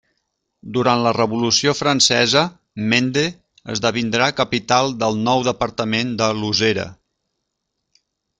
Durant la Revolució Francesa Mende esdevindrà capital del nou departament de Losera.